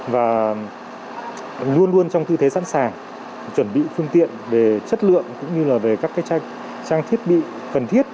và luôn luôn trong tư thế sẵn sàng chuẩn bị phương tiện về chất lượng cũng như là về các trang thiết bị cần thiết